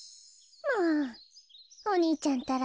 もうお兄ちゃんったら。